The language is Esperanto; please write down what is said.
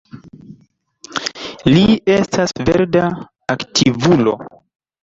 Li estas verda aktivulo.